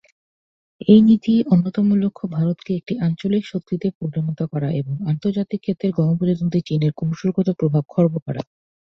এই নীতির অন্যতম লক্ষ্য ভারতকে একটি আঞ্চলিক শক্তিতে পরিণত করা এবং আন্তর্জাতিক ক্ষেত্রে গণপ্রজাতন্ত্রী চীনের কৌশলগত প্রভাব খর্ব করা।